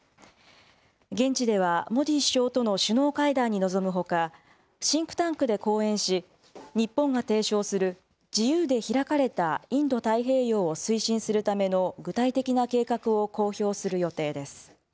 現地ではモディ首相との首脳会談に臨むほか、シンクタンクで講演し、日本が提唱する自由で開かれたインド太平洋を推進するための具体的な計画を公表する予定です。